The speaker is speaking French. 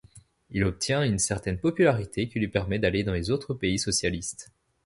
Il obtient une certaine popularité qui lui permet d'aller dans les autres pays socialistes.